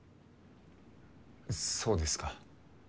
そうですか。